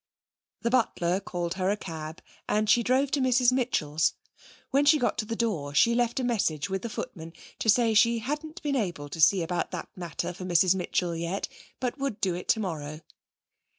The butler called her a cab, and she drove to Mrs Mitchell's. When she got to the door she left a message with the footman to say she hadn't been able to see about that matter for Mrs Mitchell yet, but would do it tomorrow.